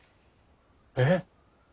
えっ？